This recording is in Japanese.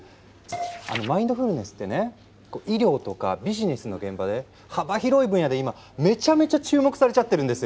あのマインドフルネスってね医療とかビジネスの現場で幅広い分野で今めちゃめちゃ注目されちゃってるんですよ。